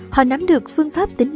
họ nắm được phương pháp tính năng